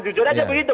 jujurnya seperti itu